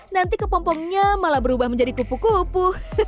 nanti kepompongnya malah berubah menjadi kupu kupu